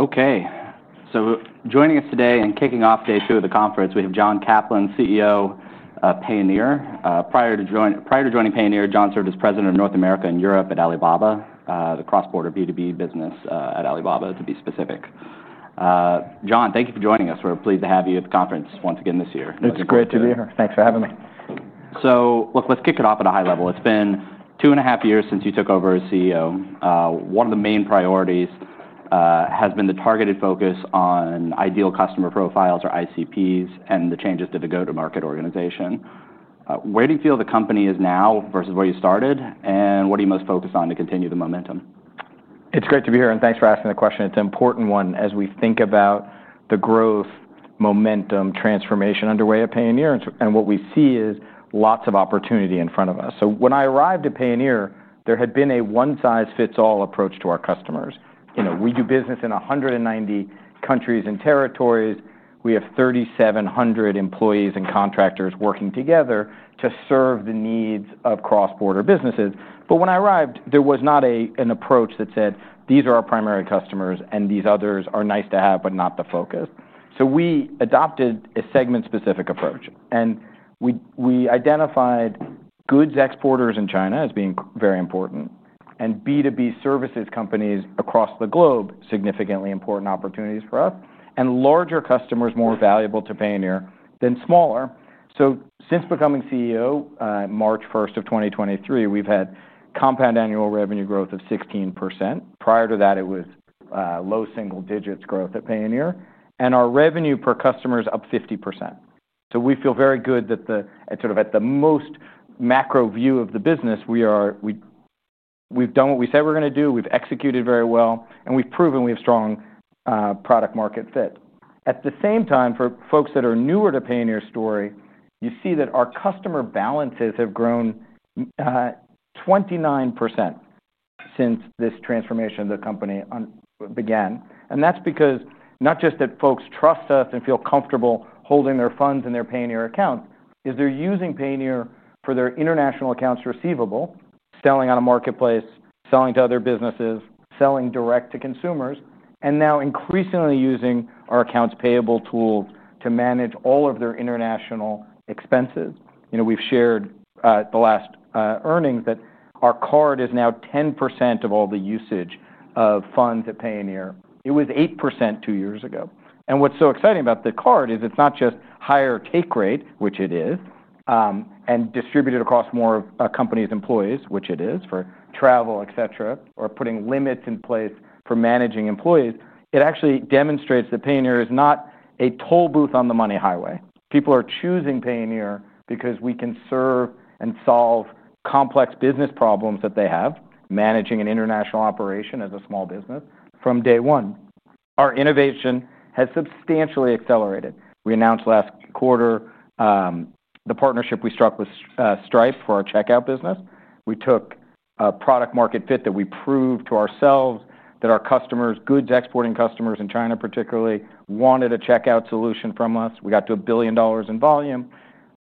Okay, so joining us today and kicking off day two of the conference, we have John Caplan, CEO of Payoneer. Prior to joining Payoneer, John served as President of North America and Europe at Alibaba, the cross-border B2B business at Alibaba, to be specific. John, thank you for joining us. We're pleased to have you at the conference once again this year. It's great to be here. Thanks for having me. Let's kick it off at a high level. It's been two and a half years since you took over as CEO. One of the main priorities has been the targeted focus on ideal customer profiles or ICPs and the changes to the go-to-market organization. Where do you feel the company is now versus where you started, and what are you most focused on to continue the momentum? It's great to be here, and thanks for asking the question. It's an important one as we think about the growth momentum transformation underway at Payoneer. What we see is lots of opportunity in front of us. When I arrived at Payoneer, there had been a one-size-fits-all approach to our customers. You know, we do business in 190 countries and territories. We have 3,700 employees and contractors working together to serve the needs of cross-border businesses. When I arrived, there was not an approach that said, "These are our primary customers and these others are nice to have, but not the focus." We adopted a segment-specific approach. We identified goods exporters in China as being very important, and B2B services companies across the globe, significantly important opportunities for us, and larger customers more valuable to Payoneer than smaller. Since becoming CEO, March 1, 2023, we've had compound annual revenue growth of 16%. Prior to that, it was low single-digits growth at Payoneer. Our revenue per customer is up 50%. We feel very good that sort of at the most macro view of the business, we've done what we said we're going to do, we've executed very well, and we've proven we have strong product-market fit. At the same time, for folks that are newer to Payoneer's story, you see that our customer balances have grown 29% since this transformation of the company began. That's because not just that folks trust us and feel comfortable holding their funds in their Payoneer accounts, they're using Payoneer for their international accounts receivable, selling on a marketplace, selling to other businesses, selling direct to consumers, and now increasingly using our accounts payable tool to manage all of their international expenses. We've shared the last earnings that our Payoneer card is now 10% of all the usage of funds at Payoneer. It was 8% two years ago. What's so exciting about the card is it's not just higher take rate, which it is, and distributed across more companies' employees, which it is, for travel, etc., or putting limits in place for managing employees. It actually demonstrates that Payoneer is not a toll booth on the money highway. People are choosing Payoneer because we can serve and solve complex business problems that they have, managing an international operation as a small business from day one. Our innovation has substantially accelerated. We announced last quarter the partnership we struck with Stripe for our checkout business. We took a product-market fit that we proved to ourselves that our customers, goods exporting customers in China particularly, wanted a checkout solution from us. We got to a billion dollars in volume,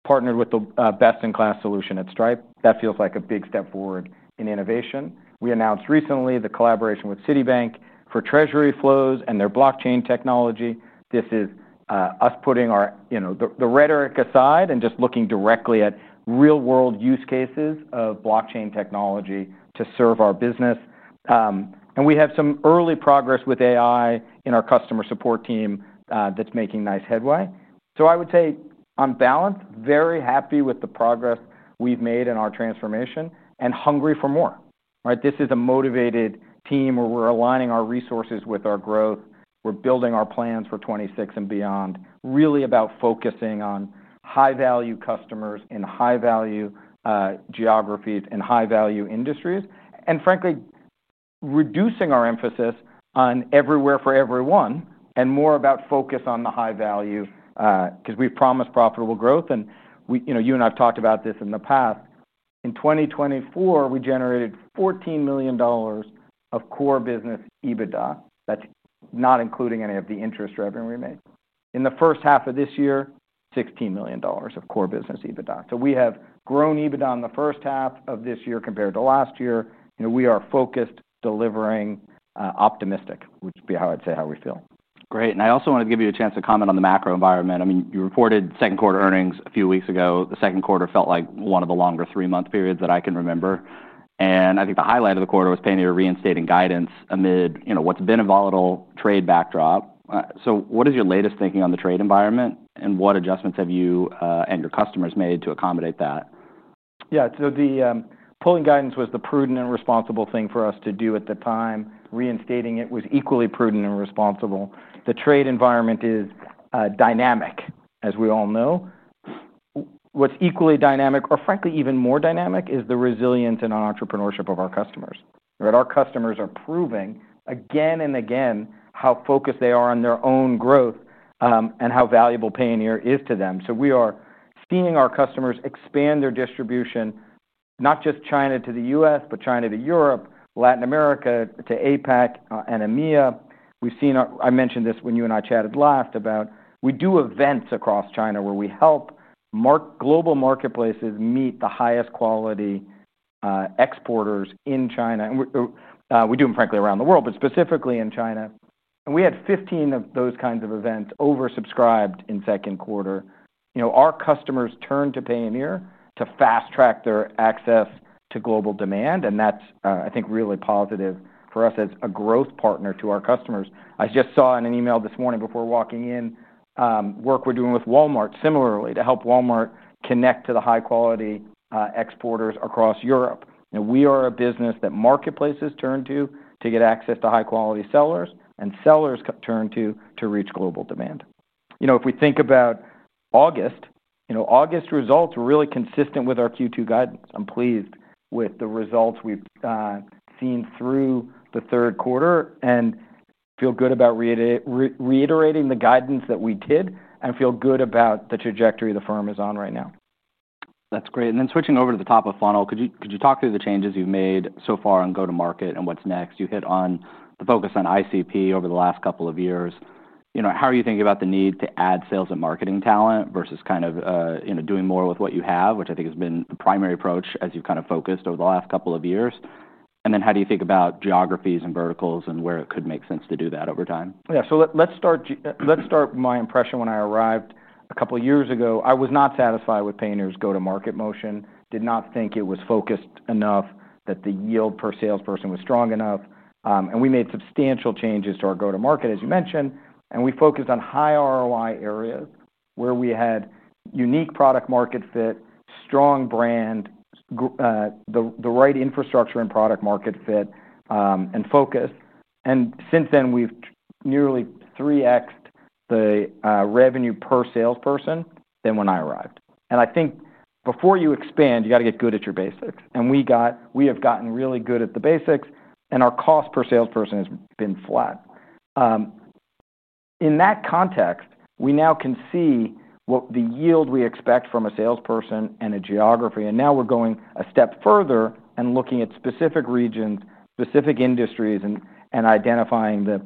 partnered with the best-in-class solution at Stripe. That feels like a big step forward in innovation. We announced recently the collaboration with Citibank for treasury flows and their blockchain technology. This is us putting the rhetoric aside and just looking directly at real-world use cases of blockchain technology to serve our business. We have some early progress with AI in our customer support team that's making nice headway. I would say on balance, very happy with the progress we've made in our transformation and hungry for more. This is a motivated team where we're aligning our resources with our growth. We're building our plans for 2026 and beyond, really about focusing on high-value customers in high-value geographies and high-value industries, and frankly, reducing our emphasis on everywhere for everyone and more about focus on the high value because we've promised profitable growth. You and I have talked about this in the past. In 2024, we generated $14 million of core business EBITDA. That's not including any of the interest revenue we made. In the first half of this year, $16 million of core business EBITDA. We have grown EBITDA in the first half of this year compared to last year. We are focused, delivering, optimistic, which would be how I'd say how we feel. Great. I also wanted to give you a chance to comment on the macro environment. You reported second quarter earnings a few weeks ago. The second quarter felt like one of the longer three-month periods that I can remember. I think the highlight of the quarter was Payoneer reinstating guidance amid what's been a volatile trade backdrop. What is your latest thinking on the trade environment and what adjustments have you and your customers made to accommodate that? Yeah, so the pulling guidance was the prudent and responsible thing for us to do at the time. Reinstating it was equally prudent and responsible. The trade environment is dynamic, as we all know. What's equally dynamic, or frankly even more dynamic, is the resilience and entrepreneurship of our customers. Our customers are proving again and again how focused they are on their own growth and how valuable Payoneer is to them. We are seeing our customers expand their distribution, not just China to the U.S., but China to Europe, Latin America to APAC and EMEA. I mentioned this when you and I chatted last about we do events across China where we help global marketplaces meet the highest quality exporters in China. We do them frankly around the world, but specifically in China. We had 15 of those kinds of events oversubscribed in the second quarter. Our customers turn to Payoneer to fast-track their access to global demand. That's, I think, really positive for us as a growth partner to our customers. I just saw in an email this morning before walking in, work we're doing with Walmart similarly to help Walmart connect to the high-quality exporters across Europe. We are a business that marketplaces turn to to get access to high-quality sellers and sellers turn to to reach global demand. If we think about August, August results were really consistent with our Q2 guidance. I'm pleased with the results we've seen through the third quarter and feel good about reiterating the guidance that we did and feel good about the trajectory the firm is on right now. That's great. Switching over to the top of the funnel, could you talk through the changes you've made so far on go-to-market and what's next? You hit on the focus on ICP over the last couple of years. How are you thinking about the need to add sales and marketing talent versus kind of doing more with what you have, which I think has been the primary approach as you've focused over the last couple of years? How do you think about geographies and verticals and where it could make sense to do that over time? Let's start with my impression when I arrived a couple of years ago. I was not satisfied with Payoneer's go-to-market motion, did not think it was focused enough or that the yield per salesperson was strong enough. We made substantial changes to our go-to-market, as you mentioned. We focused on high ROI areas where we had unique product-market fit, strong brand, the right infrastructure, product-market fit, and focus. Since then, we've nearly 3x'd the revenue per salesperson than when I arrived. I think before you expand, you have to get good at your basics. We have gotten really good at the basics, and our cost per salesperson has been flat. In that context, we now can see what yield we expect from a salesperson in a geography. Now we're going a step further and looking at specific regions, specific industries, and identifying the,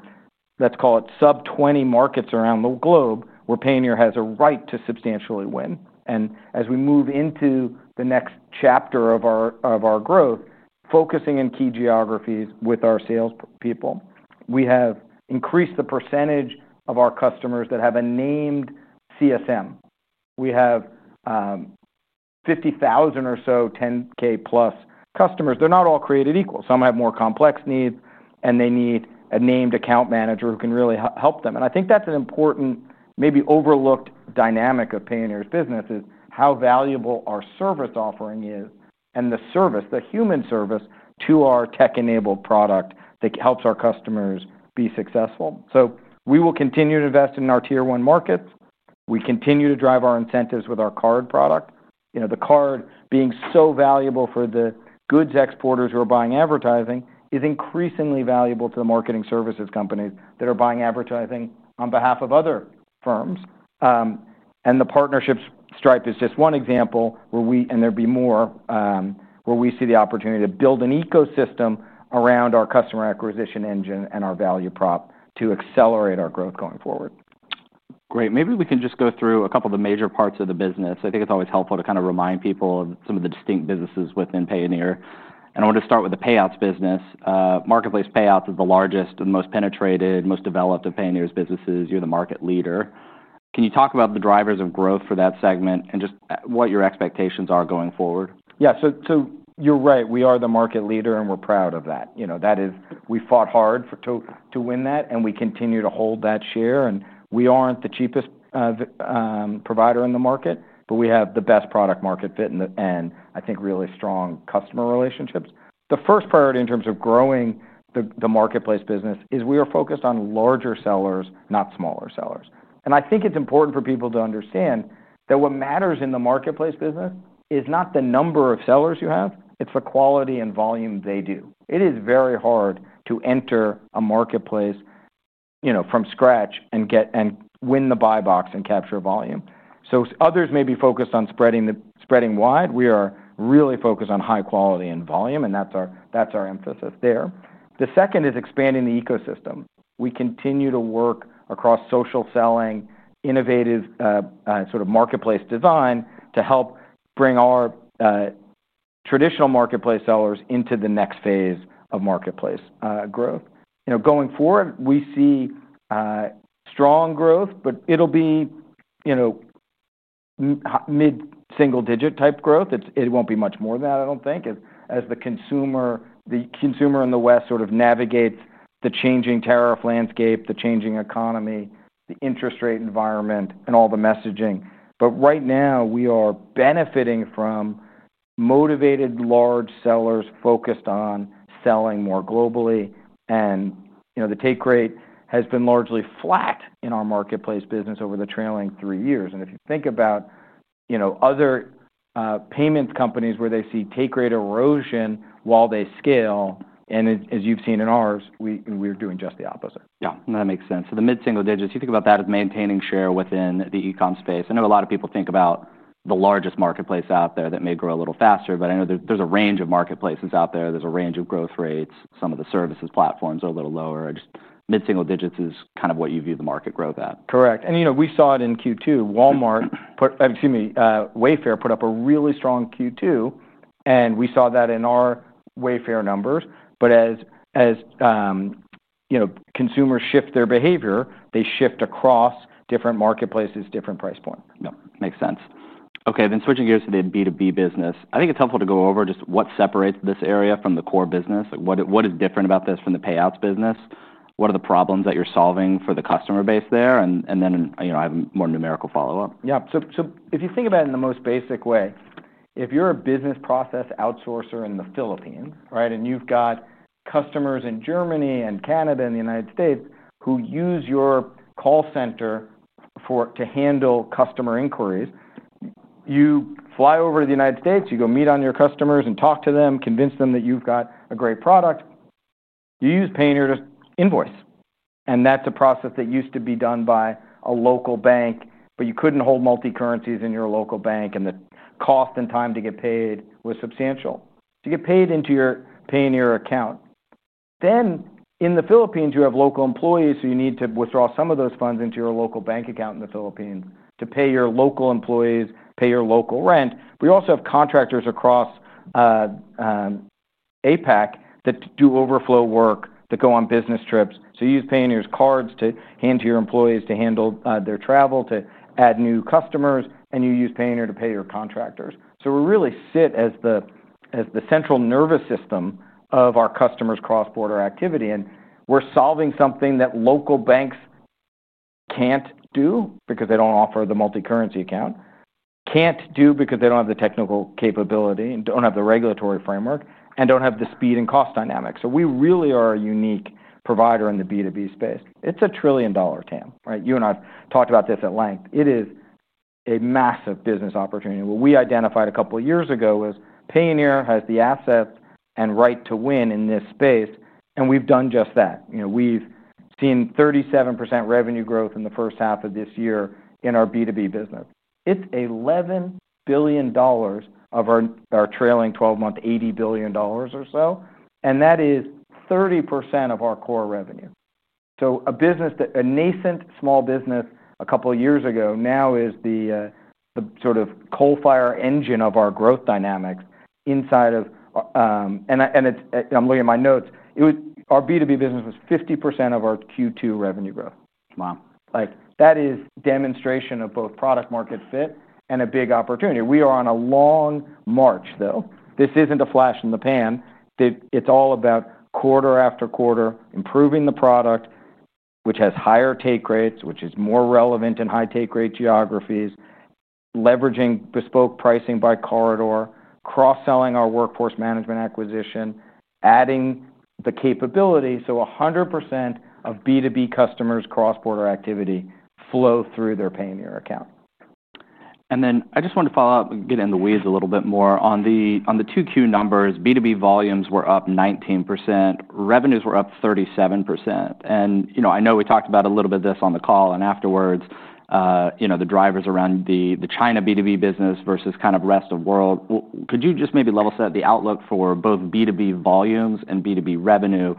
let's call it sub-20 markets around the globe where Payoneer has a right to substantially win. As we move into the next chapter of our growth, focusing in key geographies with our salespeople, we have increased the percentage of our customers that have a named CSM. We have 50,000 or so 10K plus customers. They're not all created equal. Some have more complex needs, and they need a named account manager who can really help them. I think that's an important, maybe overlooked, dynamic of Payoneer's business: how valuable our service offering is and the service, the human service to our tech-enabled product that helps our customers be successful. We will continue to invest in our tier one markets. We continue to drive our incentives with our card product. The card being so valuable for the goods exporters who are buying advertising is increasingly valuable to the marketing services companies that are buying advertising on behalf of other firms. The partnerships, Stripe is just one example where we, and there will be more, where we see the opportunity to build an ecosystem around our customer acquisition engine and our value prop to accelerate our growth going forward. Great. Maybe we can just go through a couple of the major parts of the business. I think it's always helpful to remind people of some of the distinct businesses within Payoneer. I want to start with the payouts business. Marketplace payouts is the largest and most penetrated, most developed of Payoneer's businesses. You're the market leader. Can you talk about the drivers of growth for that segment and what your expectations are going forward? Yeah, so you're right. We are the market leader, and we're proud of that. That is, we fought hard to win that, and we continue to hold that share. We aren't the cheapest provider in the market, but we have the best product-market fit and I think really strong customer relationships. The first priority in terms of growing the marketplace business is we are focused on larger sellers, not smaller sellers. I think it's important for people to understand that what matters in the marketplace business is not the number of sellers you have, it's the quality and volume they do. It is very hard to enter a marketplace from scratch and win the buy box and capture volume. Others may be focused on spreading wide. We are really focused on high quality and volume, and that's our emphasis there. The second is expanding the ecosystem. We continue to work across social selling, innovative sort of marketplace design to help bring our traditional marketplace sellers into the next phase of marketplace growth. Going forward, we see strong growth, but it'll be mid-single-digit type growth. It won't be much more than that, I don't think, as the consumer in the West sort of navigates the changing tariff landscape, the changing economy, the interest rate environment, and all the messaging. Right now, we are benefiting from motivated large sellers focused on selling more globally. The take rate has been largely flat in our marketplace business over the trailing three years. If you think about other payments companies where they see take rate erosion while they scale, and as you've seen in ours, we are doing just the opposite. Yeah, that makes sense. The mid-single digits, you think about that as maintaining share within the e-com space. I know a lot of people think about the largest marketplace out there that may grow a little faster, but I know that there's a range of marketplaces out there. There's a range of growth rates. Some of the services platforms are a little lower. Mid-single digits is kind of what you view the market growth at. Correct. You know, we saw it in Q2. Wayfair put up a really strong Q2, and we saw that in our Wayfair numbers. As consumers shift their behavior, they shift across different marketplaces, different price points. Makes sense. Okay, switching gears to the B2B business. I think it's helpful to go over just what separates this area from the core business. What is different about this from the payouts business? What are the problems that you're solving for the customer base there? I have a more numerical follow-up. Yeah, so if you think about it in the most basic way, if you're a business process outsourcer in the Philippines, right, and you've got customers in Germany and Canada and the United States who use your call center to handle customer inquiries, you fly over to the United States, you go meet your customers and talk to them, convince them that you've got a great product. You use Payoneer to invoice. That's a process that used to be done by a local bank, but you couldn't hold multi-currencies in your local bank, and the cost and time to get paid was substantial. You get paid into your Payoneer account. In the Philippines, you have local employees, so you need to withdraw some of those funds into your local bank account in the Philippines to pay your local employees, pay your local rent. You also have contractors across APAC that do overflow work, that go on business trips. You use Payoneer cards to hand to your employees to handle their travel, to add new customers, and you use Payoneer to pay your contractors. We really sit as the central nervous system of our customers' cross-border activity. We're solving something that local banks can't do because they don't offer the multi-currency account, can't do because they don't have the technical capability and don't have the regulatory framework and don't have the speed and cost dynamics. We really are a unique provider in the B2B space. It's a trillion-dollar total addressable market, right? You and I have talked about this at length. It is a massive business opportunity. What we identified a couple of years ago was Payoneer has the assets and right to win in this space. We've done just that. We've seen 37% revenue growth in the first half of this year in our B2B business. It's $11 billion of our trailing 12 months, $80 billion or so. That is 30% of our core revenue. A business that was a nascent small business a couple of years ago now is the sort of coal-fired engine of our growth dynamics inside of, and I'm looking at my notes, our B2B business was 50% of our Q2 revenue growth. Wow. Like that is a demonstration of both product-market fit and a big opportunity. We are on a long march, though. This isn't a flash in the pan. It's all about quarter after quarter improving the product, which has higher take rates, which is more relevant in high take rate geographies, leveraging bespoke pricing by corridor, cross-selling our workforce management acquisition, adding the capability so 100% of B2B customers' cross-border activity flow through their Payoneer account. I just wanted to follow up and get in the weeds a little bit more on the Q2 numbers. B2B volumes were up 19%. Revenues were up 37%. I know we talked about a little bit of this on the call and afterwards, the drivers around the China B2B business versus kind of the rest of the world. Could you just maybe level set the outlook for both B2B volumes and B2B revenue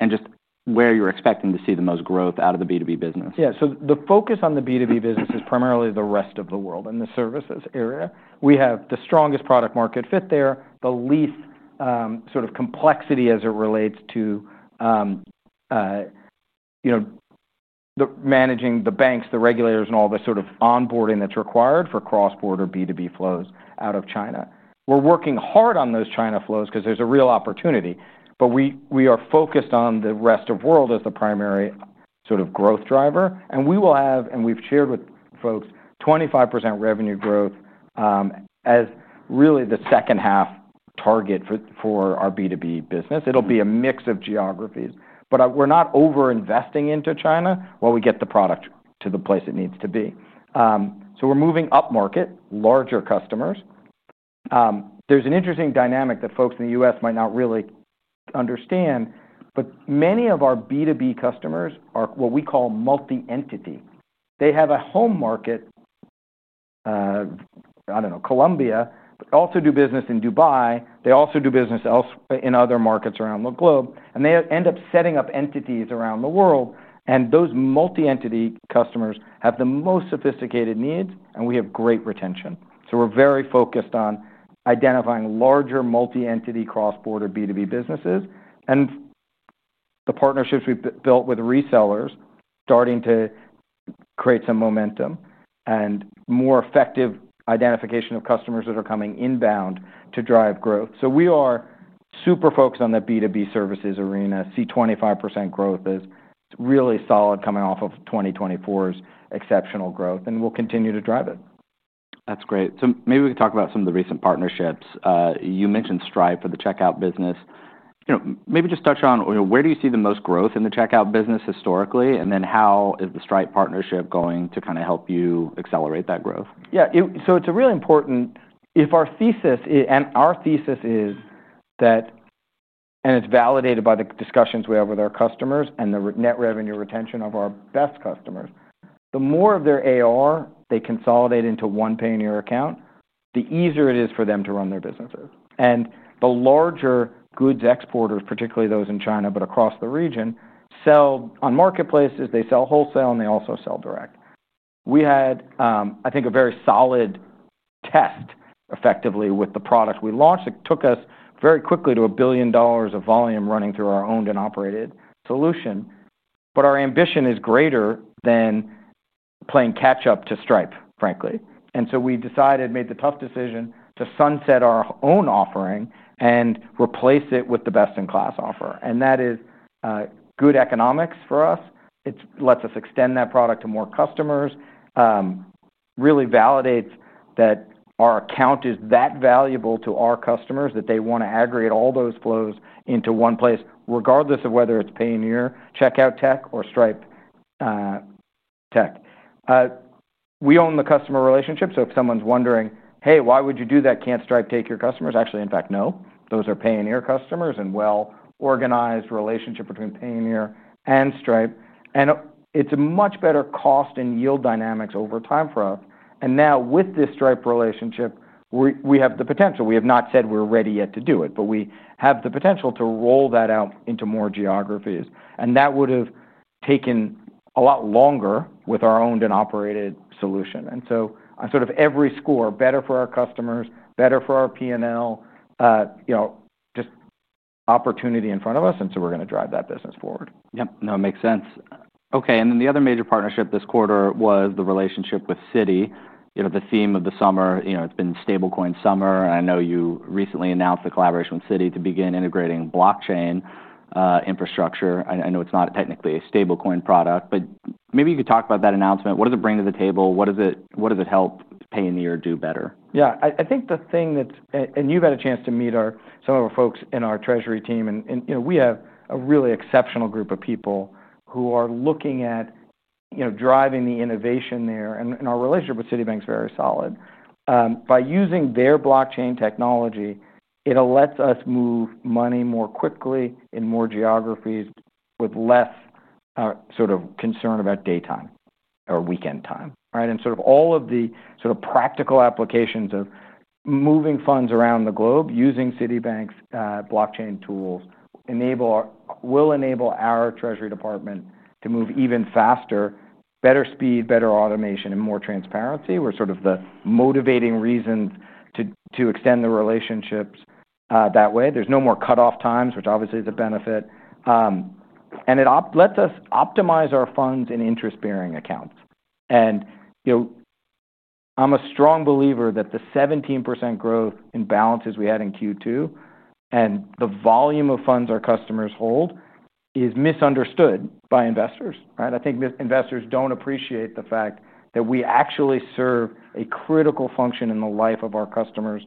and just where you're expecting to see the most growth out of the B2B business? Yeah, so the focus on the B2B business is primarily the rest of the world and the services area. We have the strongest product-market fit there, the least sort of complexity as it relates to, you know, managing the banks, the regulators, and all the sort of onboarding that's required for cross-border B2B flows out of China. We're working hard on those China flows because there's a real opportunity. We are focused on the rest of the world as the primary sort of growth driver. We will have, and we've shared with folks, 25% revenue growth as really the second half target for our B2B business. It'll be a mix of geographies. We're not over-investing into China while we get the product to the place it needs to be. We're moving up market, larger customers. There's an interesting dynamic that folks in the U.S. might not really understand, but many of our B2B customers are what we call multi-entity. They have a home market, I don't know, Colombia, but also do business in Dubai. They also do business in other markets around the globe. They end up setting up entities around the world. Those multi-entity customers have the most sophisticated needs, and we have great retention. We're very focused on identifying larger multi-entity cross-border B2B businesses. The partnerships we've built with resellers are starting to create some momentum and more effective identification of customers that are coming inbound to drive growth. We are super focused on that B2B services arena. See 25% growth is really solid coming off of 2024's exceptional growth, and we'll continue to drive it. That's great. Maybe we could talk about some of the recent partnerships. You mentioned Stripe for the checkout business. Maybe just touch on where do you see the most growth in the checkout business historically, and then how is the Stripe partnership going to kind of help you accelerate that growth? Yeah, so it's a really important, if our thesis, and our thesis is that, and it's validated by the discussions we have with our customers and the net revenue retention of our best customers. The more of their AR they consolidate into one Payoneer account, the easier it is for them to run their businesses. The larger goods exporters, particularly those in China, but across the region, sell on marketplaces, they sell wholesale, and they also sell direct. We had, I think, a very solid test effectively with the product we launched. It took us very quickly to $1 billion of volume running through our owned and operated solution. Our ambition is greater than playing catch-up to Stripe, frankly. We decided, made the tough decision to sunset our own offering and replace it with the best-in-class offer. That is good economics for us. It lets us extend that product to more customers, really validates that our account is that valuable to our customers that they want to aggregate all those flows into one place, regardless of whether it's Payoneer, checkout tech, or Stripe tech. We own the customer relationship. If someone's wondering, "Hey, why would you do that? Can't Stripe take your customers?" Actually, in fact, no, those are Payoneer customers and well-organized relationship between Payoneer and Stripe. It's a much better cost and yield dynamics over time for us. Now with this Stripe relationship, we have the potential. We have not said we're ready yet to do it, but we have the potential to roll that out into more geographies. That would have taken a lot longer with our owned and operated solution. On sort of every score, better for our customers, better for our P&L, you know, just opportunity in front of us. We're going to drive that business forward. No, it makes sense. Okay, the other major partnership this quarter was the relationship with Citibank. The theme of the summer has been Stablecoin summer. I know you recently announced the collaboration with Citibank to begin integrating blockchain infrastructure. I know it's not technically a Stablecoin product, but maybe you could talk about that announcement. What does it bring to the table? What does it help Payoneer do better? Yeah, I think the thing that's, and you've had a chance to meet some of our folks in our Treasury team, and you know, we have a really exceptional group of people who are looking at driving the innovation there. Our relationship with Citibank is very solid. By using their blockchain technology, it lets us move money more quickly in more geographies with less sort of concern about daytime or weekend time, right? All of the practical applications of moving funds around the globe using Citibank's blockchain tools will enable our Treasury department to move even faster, better speed, better automation, and more transparency. Those are the motivating reasons to extend the relationships that way. There's no more cutoff times, which obviously is a benefit. It lets us optimize our funds in interest-bearing accounts. I'm a strong believer that the 17% growth in balances we had in Q2 and the volume of funds our customers hold is misunderstood by investors, right? I think investors don't appreciate the fact that we actually serve a critical function in the life of our customers'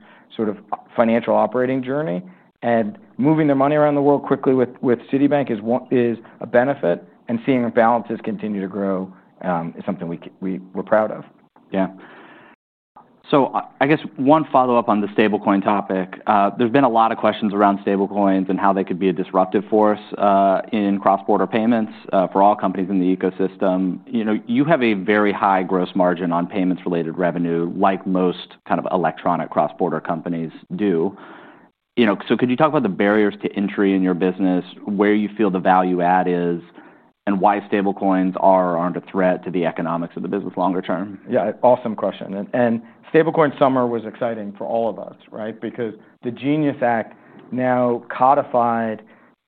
financial operating journey. Moving their money around the world quickly with Citibank is a benefit. Seeing our balances continue to grow is something we're proud of. Yeah, I guess one follow-up on the Stablecoin topic, there's been a lot of questions around Stablecoins and how they could be a disruptive force in cross-border payments for all companies in the ecosystem. You have a very high gross margin on payments-related revenue, like most kind of electronic cross-border companies do. Could you talk about the barriers to entry in your business, where you feel the value add is, and why Stablecoins are or aren't a threat to the economics of the business longer term? Yeah, awesome question. Stablecoin summer was exciting for all of us, right? Because the Genius Act now codified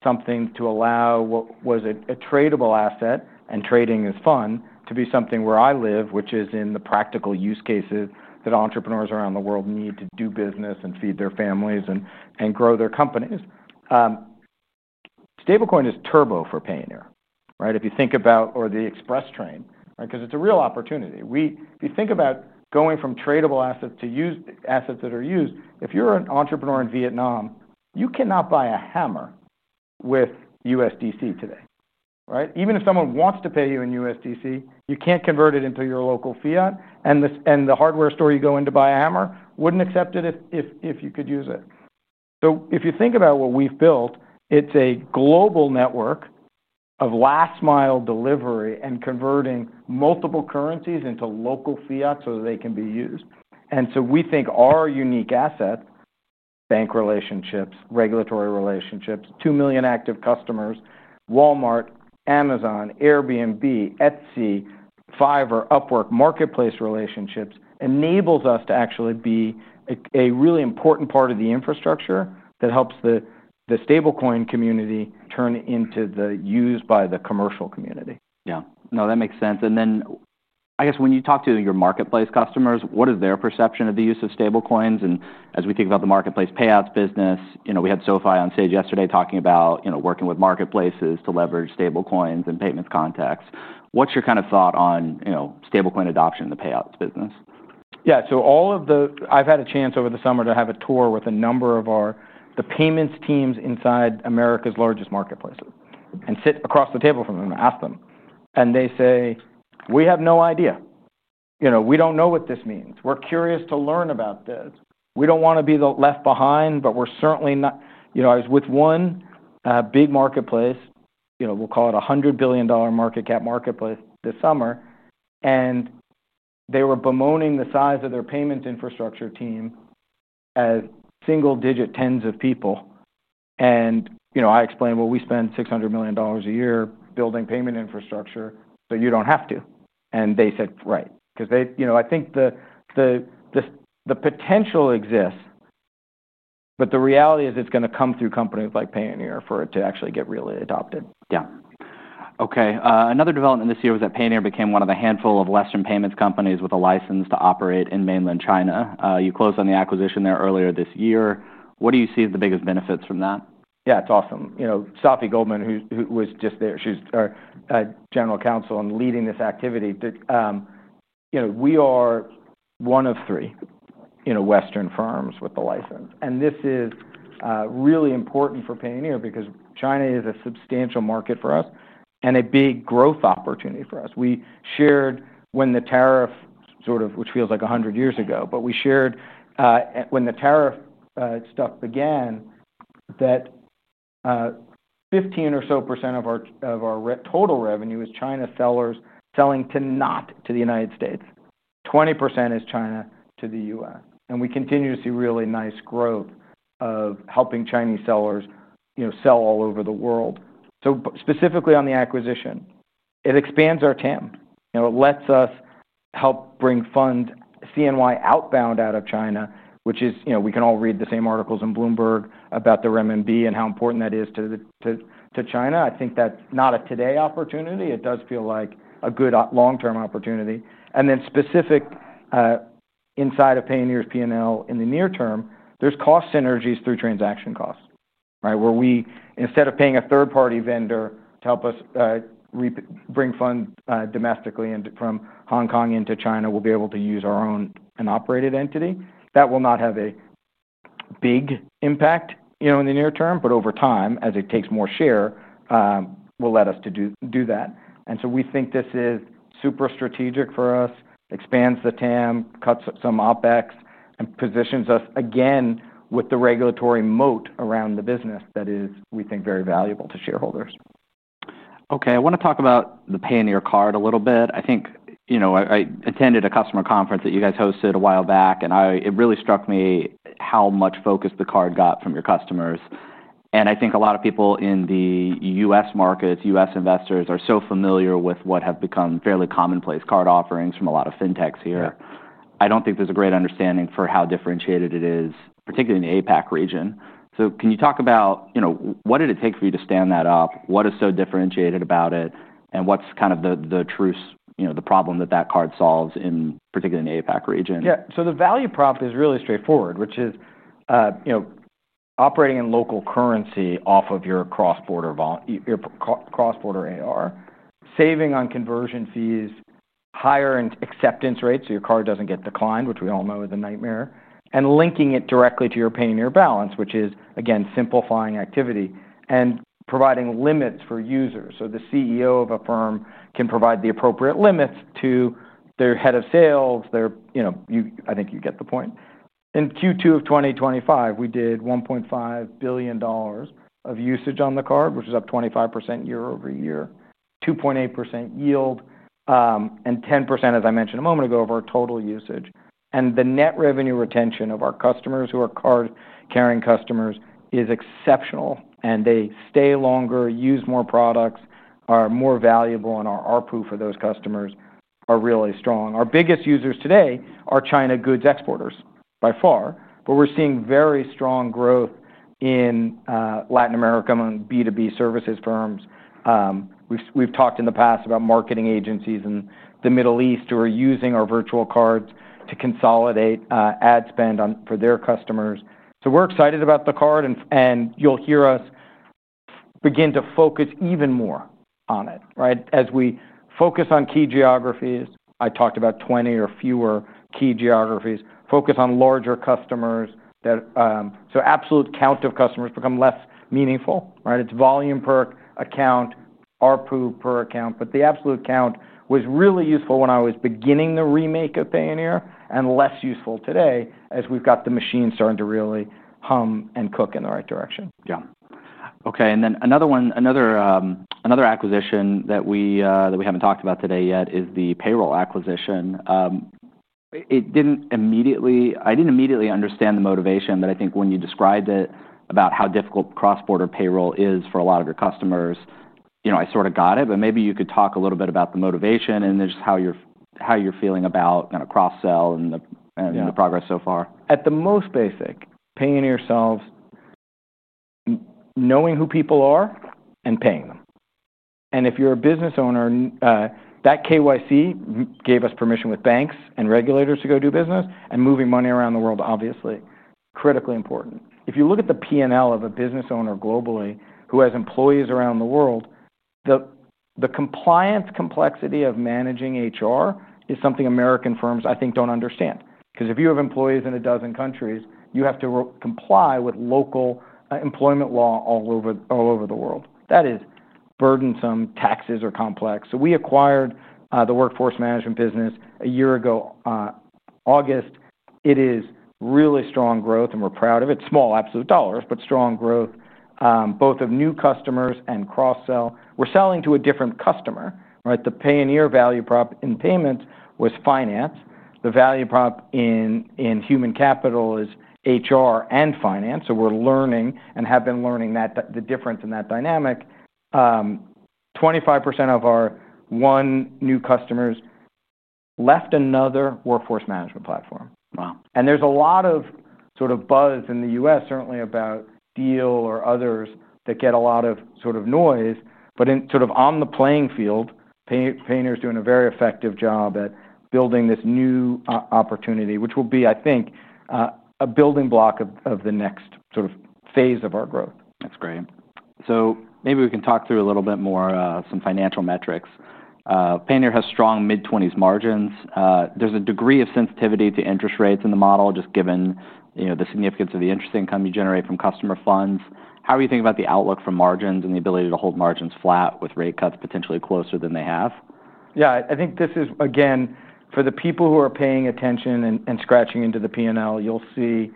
something to allow what was a tradable asset, and trading is fun, to be something where I live, which is in the practical use cases that entrepreneurs around the world need to do business and feed their families and grow their companies. Stablecoin is turbo for Payoneer, right? If you think about, or the express train, because it's a real opportunity. If you think about going from tradable assets to assets that are used, if you're an entrepreneur in Vietnam, you cannot buy a hammer with USDC today, right? Even if someone wants to pay you in USDC, you can't convert it into your local fiat. The hardware store you go in to buy a hammer wouldn't accept it if you could use it. If you think about what we've built, it's a global network of last-mile delivery and converting multiple currencies into local fiats so that they can be used. We think our unique assets, bank relationships, regulatory relationships, 2 million active customers, Walmart, Amazon, Airbnb, Etsy, Fiverr, Upwork, marketplace relationships enable us to actually be a really important part of the infrastructure that helps the Stablecoin community turn into the use by the commercial community. Yeah, that makes sense. When you talk to your marketplace customers, what is their perception of the use of Stablecoins? As we think about the marketplace payouts business, we had Sophie on stage yesterday talking about working with marketplaces to leverage Stablecoins in payments context. What's your thought on Stablecoin adoption in the payouts business? Yeah, so I've had a chance over the summer to have a tour with a number of our payments teams inside America's largest marketplaces and sit across the table from them and ask them. They say, "We have no idea. You know, we don't know what this means. We're curious to learn about this. We don't want to be left behind, but we're certainly not." I was with one big marketplace, we'll call it a $100 billion market cap marketplace this summer, and they were bemoaning the size of their payments infrastructure team as single-digit tens of people. I explained, "We spend $600 million a year building payment infrastructure, so you don't have to." They said, "Right." I think the potential exists, but the reality is it's going to come through companies like Payoneer for it to actually get really adopted. Yeah. Okay. Another development this year was that Payoneer became one of the handful of Western payments companies with a license to operate in mainland China. You closed on the acquisition there earlier this year. What do you see as the biggest benefits from that? Yeah, it's awesome. You know, Sophie Goldman, who was just there, she's our General Counsel and leading this activity. We are one of three Western firms with the license. This is really important for Payoneer because China is a substantial market for us and a big growth opportunity for us. We shared when the tariff sort of, which feels like 100 years ago, but we shared when the tariff stuff began that 15% or so of our total revenue is China sellers selling to not to the United States. 20% is China to the U.S. We continue to see really nice growth of helping Chinese sellers sell all over the world. Specifically on the acquisition, it expands our total addressable market. It lets us help bring funds CNY outbound out of China, which is, you know, we can all read the same articles in Bloomberg about the renminbi and how important that is to China. I think that's not a today opportunity. It does feel like a good long-term opportunity. Then specific inside of Payoneer's P&L in the near term, there's cost synergies through transaction costs, right? Where we, instead of paying a third-party vendor to help us bring funds domestically and from Hong Kong into China, we'll be able to use our own and operated entity. That will not have a big impact in the near term, but over time, as it takes more share, will let us do that. We think this is super strategic for us, expands the total addressable market, cuts some OpEx, and positions us again with the regulatory moat around the business that is, we think, very valuable to shareholders. Okay, I want to talk about the Payoneer card a little bit. I think, you know, I attended a customer conference that you guys hosted a while back, and it really struck me how much focus the card got from your customers. I think a lot of people in the U.S. markets, U.S. investors are so familiar with what have become fairly commonplace card offerings from a lot of fintechs here. I don't think there's a great understanding for how differentiated it is, particularly in the APAC region. Can you talk about, you know, what did it take for you to stand that up? What is so differentiated about it? What's kind of the truce, you know, the problem that that card solves, particularly in the APAC region? Yeah, so the value prop is really straightforward, which is, you know, operating in local currency off of your cross-border AR, saving on conversion fees, higher acceptance rates so your card doesn't get declined, which we all know is a nightmare, and linking it directly to your Payoneer balance, which is, again, simplifying activity and providing limits for users. The CEO of a firm can provide the appropriate limits to their Head of Sales, their, you know, I think you get the point. In Q2 of 2025, we did $1.5 billion of usage on the Payoneer card, which is up 25% year over year, 2.8% yield, and 10%, as I mentioned a moment ago, of our total usage. The net revenue retention of our customers who are card-carrying customers is exceptional, and they stay longer, use more products, are more valuable, and our ARPU for those customers are really strong. Our biggest users today are China goods exporters by far, but we're seeing very strong growth in Latin American B2B services firms. We've talked in the past about marketing agencies in the Middle East who are using our virtual cards to consolidate ad spend for their customers. We're excited about the card, and you'll hear us begin to focus even more on it, right? As we focus on key geographies, I talked about 20 or fewer key geographies, focus on larger customers that, so absolute count of customers becomes less meaningful, right? It's volume per account, ARPU per account, but the absolute count was really useful when I was beginning the remake of Payoneer and less useful today as we've got the machines starting to really hum and cook in the right direction. Okay, and then another one, another acquisition that we haven't talked about today yet is the payroll acquisition. It didn't immediately, I didn't immediately understand the motivation that I think when you described it about how difficult cross-border payroll is for a lot of your customers, you know, I sort of got it, but maybe you could talk a little bit about the motivation and just how you're feeling about kind of cross-sell and the progress so far. At the most basic, Payoneer solves knowing who people are and paying them. If you're a business owner, that KYC gave us permission with banks and regulators to go do business and moving money around the world, obviously critically important. If you look at the P&L of a business owner globally who has employees around the world, the compliance complexity of managing HR is something American firms, I think, don't understand. If you have employees in a dozen countries, you have to comply with local employment law all over the world. That is burdensome, taxes are complex. We acquired the workforce management business a year ago, August. It is really strong growth, and we're proud of it. It's small absolute dollars, but strong growth, both of new customers and cross-sell. We're selling to a different customer, right? The Payoneer value prop in payments was finance. The value prop in human capital is HR and finance. We're learning and have been learning that the difference in that dynamic. 25% of our one new customer left another workforce management platform. Wow. There is a lot of sort of buzz in the U.S., certainly about Deel or others that get a lot of sort of noise. In sort of on the playing field, Payoneer is doing a very effective job at building this new opportunity, which will be, I think, a building block of the next sort of phase of our growth. That's great. Maybe we can talk through a little bit more of some financial metrics. Payoneer has strong mid-20% margins. There's a degree of sensitivity to interest rates in the model, just given the significance of the interest income you generate from customer funds. How are you thinking about the outlook for margins and the ability to hold margins flat with rate cuts potentially closer than they have? Yeah, I think this is, again, for the people who are paying attention and scratching into the P&L, you'll see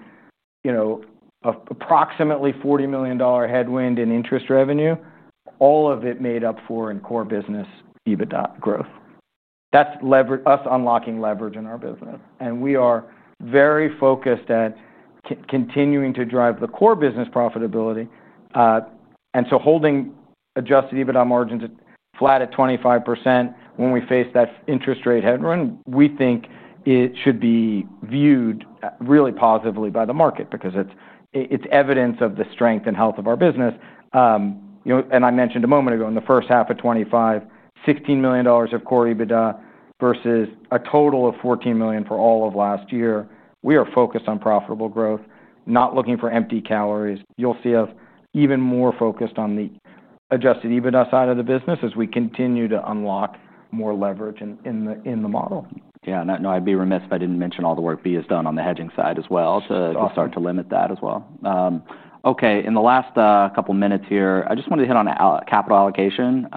approximately $40 million headwind in interest revenue, all of it made up for in core business EBITDA growth. That's us unlocking leverage in our business. We are very focused at continuing to drive the core business profitability. Holding adjusted EBITDA margins flat at 25% when we face that interest rate headwind, we think it should be viewed really positively by the market because it's evidence of the strength and health of our business. I mentioned a moment ago in the first half of 2025, $16 million of core EBITDA versus a total of $14 million for all of last year. We are focused on profitable growth, not looking for empty calories. You'll see us even more focused on the adjusted EBITDA side of the business as we continue to unlock more leverage in the model. Yeah, no, I'd be remiss if I didn't mention all the work Bea has done on the hedging side as well. I'll start to limit that as well. In the last couple of minutes here, I just wanted to hit on capital allocation.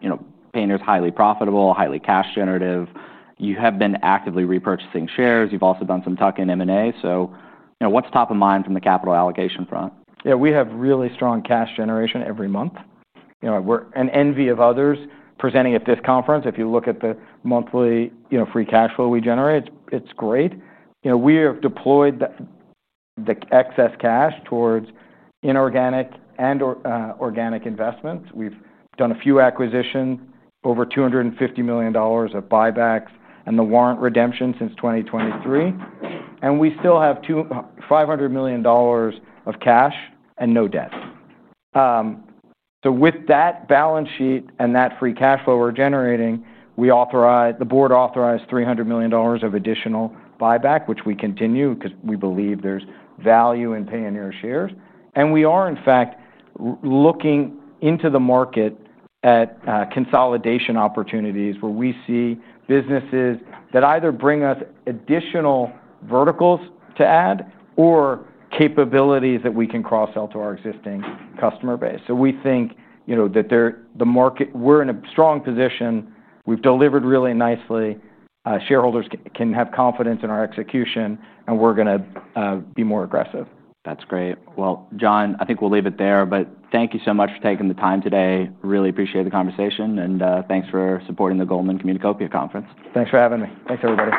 You know, Payoneer is highly profitable, highly cash generative. You have been actively repurchasing shares. You've also done some tuck-in M&A. What's top of mind from the capital allocation front? Yeah, we have really strong cash generation every month. We're an envy of others presenting at this conference. If you look at the monthly free cash flow we generate, it's great. We have deployed the excess cash towards inorganic and organic investments. We've done a few acquisitions, over $250 million of buybacks, and the warrant redemption since 2023. We still have $500 million of cash and no debts. With that balance sheet and that free cash flow we're generating, the board authorized $300 million of additional buyback, which we continue because we believe there's value in Payoneer shares. We are, in fact, looking into the market at consolidation opportunities where we see businesses that either bring us additional verticals to add or capabilities that we can cross-sell to our existing customer base. We think the market, we're in a strong position. We've delivered really nicely. Shareholders can have confidence in our execution, and we're going to be more aggressive. That's great. John, I think we'll leave it there, but thank you so much for taking the time today. Really appreciate the conversation, and thanks for supporting the Goldman Communicopia conference. Thanks for having me. Thanks, everybody.